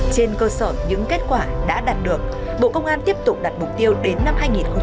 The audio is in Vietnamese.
trên cơ sở những kết quả đã đạt được bộ công an tiếp tục đặt mục tiêu đến năm hai nghìn hai mươi năm